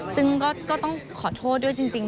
ซึ่งก็ต้องขอโทษด้วยจริง